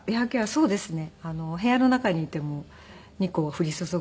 そうですね。